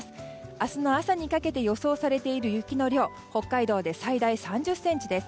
明日の朝にかけて予想されている雪の量北海道で最大３０ｃｍです。